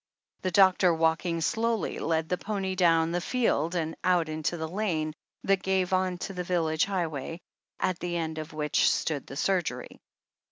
The doctor, walking slowly, led the pony down the field and out into the lane that gave on to the village highway, at the end of which stood the surgery.